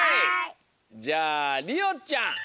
じゃありおちゃん！